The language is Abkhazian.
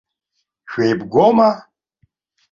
Шәеибгоума?